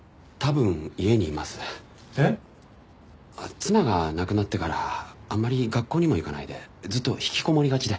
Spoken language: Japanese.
妻が亡くなってからあんまり学校にも行かないでずっと引きこもりがちで。